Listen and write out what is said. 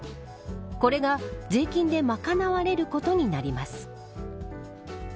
これが税金で賄われることになります。